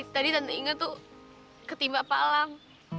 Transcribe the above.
tadi tante inga tuh ketimpa palang